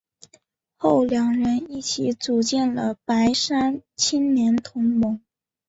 后两人一起组建了白山青年同盟。